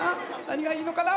何がいいのかな？